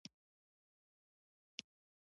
قلم د لیکوال وسلې ته ورته دی.